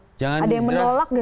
ada yang menolak nggak sih